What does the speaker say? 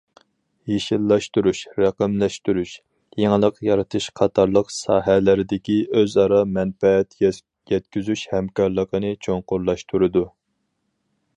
يېشىللاشتۇرۇش، رەقەملەشتۈرۈش، يېڭىلىق يارىتىش قاتارلىق ساھەلەردىكى ئۆزئارا مەنپەئەت يەتكۈزۈش ھەمكارلىقىنى چوڭقۇرلاشتۇرىدۇ.